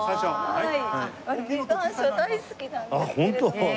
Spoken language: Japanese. はい。